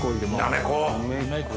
なめこ！